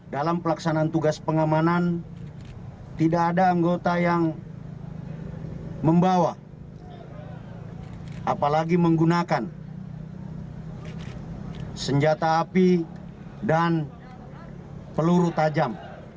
dalam pelaksanaan tugas pengamanan tidak ada anggota yang membawa apalagi menggunakan senjata api dan peluru tajam